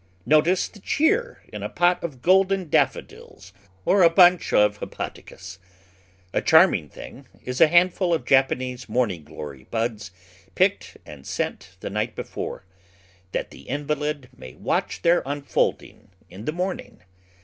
Notice the cheer in a pot of golden Daffodils or a bunch of Hepaticas. A charming thing is a handful of Japanese Morning glory buds picked and sent the night before, that the invalid may watch their unfolding in the morning.